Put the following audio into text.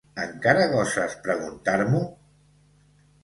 Encara goses preguntar-m'ho?